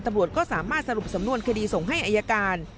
ตำรวจก็สามารถสรุปสำนวนคดีส่งให้อายการ